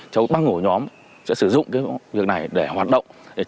cháu tăng hổ nhóm sẽ sử dụng cái việc này để hoạt động